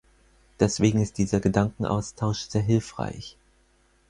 Deswegen ist dieser Gedankenaustausch sehr hilfreich.